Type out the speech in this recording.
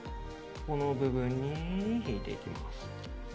この部分に引いていきます。